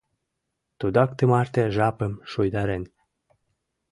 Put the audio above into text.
Тудак тымарте жапым шуйдарен...